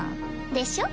でしょ？